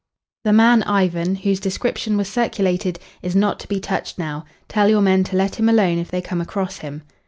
"The man Ivan, whose description was circulated, is not to be touched now. Tell your men to let him alone if they come across him."